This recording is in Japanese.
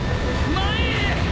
前へ！